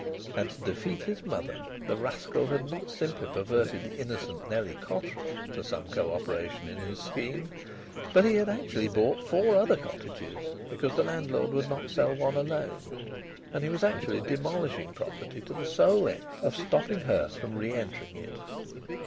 And to defeat his mother the rascal had not simply perverted the innocent Nellie Cotterill to some co operation in his scheme, but he had actually bought four other cottages, because the landlord would not sell one alone, and he was actually demolishing property to the sole end of stopping her from re entering it!